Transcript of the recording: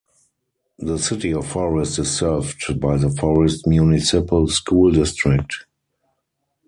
The City of Forest is served by the Forest Municipal School District.